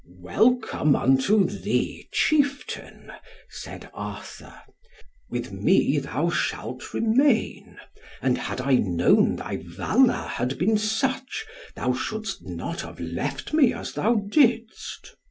"Welcome unto thee, chieftain," said Arthur. "With me thou shalt remain; and had I known thy valour had been such, thou shouldst not have left me as thou didst.